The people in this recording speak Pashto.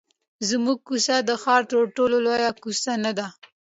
زموږ کوڅه د ښار تر ټولو لویه کوڅه نه ده.